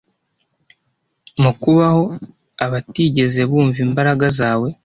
Mu kubaho! - abatigeze bumva imbaraga zawe,